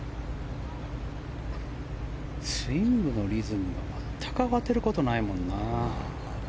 スイングのリズムが全く慌てることないもんな。